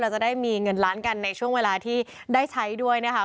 จะได้มีเงินล้านกันในช่วงเวลาที่ได้ใช้ด้วยนะคะ